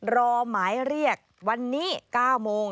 รอหมายเรียกวันนี้๙โมง